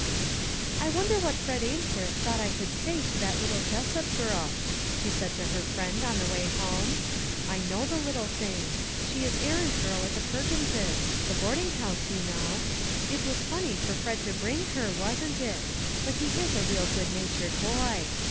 " I wonder what Fred Ains worth thought I could say to that little Jessup girl," she said to her friend on the way home. " I know the lit tle thing; she is errand girl at the Perkins's, the boarding house, you know. It was funny for Fred to bring her, wasn't it? But he is a real good natured boy.